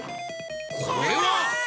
これは！